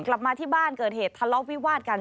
กลับมาที่บ้านเกิดเหตุทะเลาะวิวาดกัน